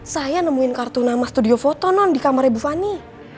saya nemuin kartu nama studio foto non di kamar ibu fani